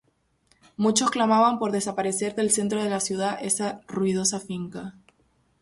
Muchos clamaban por desaparecer del centro de la ciudad esa ruinosa finca.